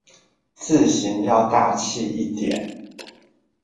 字型要大器一點